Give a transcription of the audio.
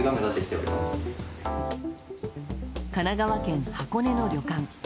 神奈川県箱根の旅館。